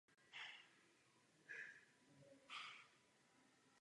Téměř celé území vojenského újezdu je zalesněno.